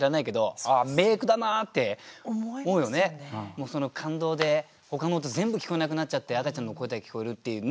もうその感動でほかの音全部聞こえなくなっちゃって赤ちゃんの声だけ聞こえるっていうね。